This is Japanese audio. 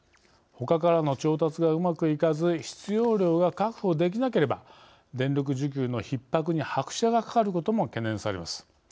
ほかからの調達がうまくいかず必要量が確保できなければ電力需給のひっ迫に拍車がかかることも懸念されます。